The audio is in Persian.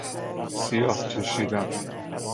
سیاه پوشیدن